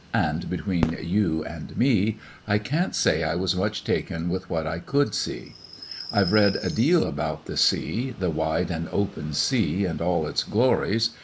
And between you and me I can't say I was much taken with what I could see. I've read a deal about the sea, the wide and open sea, and all its glories.